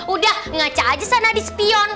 udah ngaca aja sama di spion